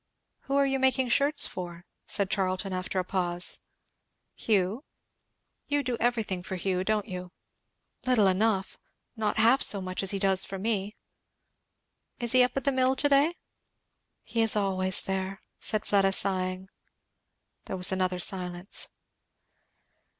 "Who are you making shirts for?" said Charlton after a pause. "Hugh." "You do everything for Hugh, don't you?" "Little enough. Not half so much as he does for me." "Is he up at the mill to day?" "He is always there," said Fleda sighing. There was another silence.